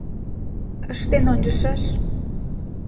Ыштен ончышаш...